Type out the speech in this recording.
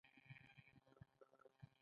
د خوراکي توکو ډولونه مختلف غذایي ارزښت لري.